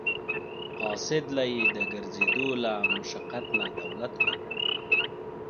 قاصد له یې د ګرځېدو له مشقت نه دولت ورکړ.